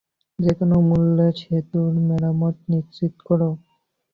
যেকোনো মূল্যে সেতুর মেরামত নিশ্চিত কর।